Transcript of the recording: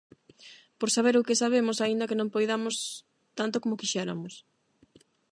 Por saber o que sabemos aínda que non poidamos tanto como quixéramos.